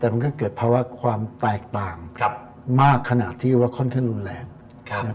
แต่มันก็เกิดภาวะความแตกต่างมากขนาดที่ว่าค่อนข้างรุนแรง